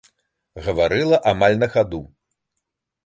Гаварыла амаль на хаду.